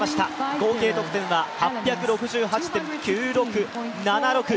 合計得点は８６８．９６７６。